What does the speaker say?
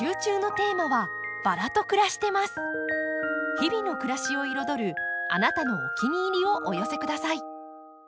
日々の暮らしを彩るあなたのお気に入りをお寄せください。